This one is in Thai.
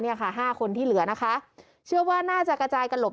ค่ะห้าคนที่เหลือนะคะเชื่อว่าน่าจะกระจายกระหลบ